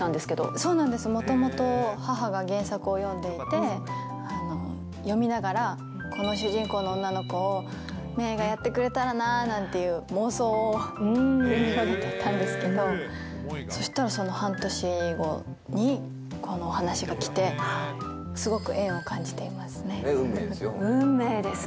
そうなんです、もともと母が原作を読んでいて、読みながら、この主人公の女の子を芽郁がやってくれたらなって妄想を繰り広げていたんですけど、そしたら、その半年後にこの話がきて、運名ですよ。